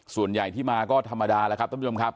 ส่วนใหญ่ที่มาก็ธรรมดาแล้วครับท่านผู้ชมครับ